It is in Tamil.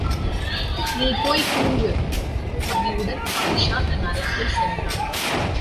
நீ போய்த் தூங்கு. பணிவுடன் ஆயீஷா தன் அறைக்குச் சென்றாள்.